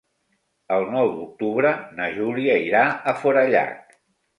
El nou d'octubre na Júlia irà a Forallac.